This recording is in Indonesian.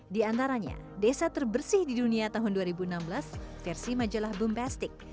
di antaranya desa terbersih di dunia tahun dua ribu enam belas versi majalah bombastik